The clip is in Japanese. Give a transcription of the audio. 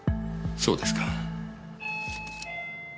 そうですか。